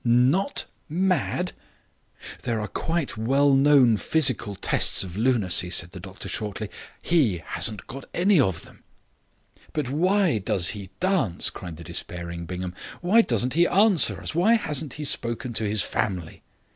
"Not mad!" "There are quite well known physical tests of lunacy," said the doctor shortly; "he hasn't got any of them." "But why does he dance?" cried the despairing Bingham. "Why doesn't he answer us? Why hasn't he spoken to his family?"